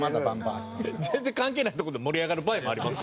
全然関係ないとこで盛り上がる場合もあります。